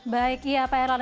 baik ya pak heran